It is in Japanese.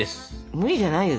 無理じゃないよ。